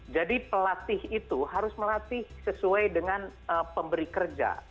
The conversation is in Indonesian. jadi pelatih itu harus melatih sesuai dengan pemberi kerja